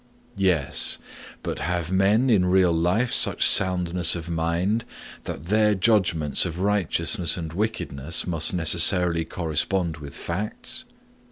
Yes; but have men in real life such soundness of mind that their judgments of righteousness and wickedness must necessarily correspond with facts?